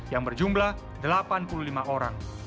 yang berjumlah delapan puluh lima orang